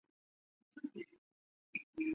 龙骨砂藓为紫萼藓科砂藓属下的一个种。